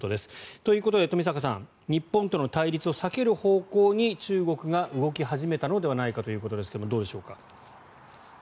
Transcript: ということで冨坂さん日本との対立を避ける方向に中国が動き始めたのではないかということですがどうでしょうか？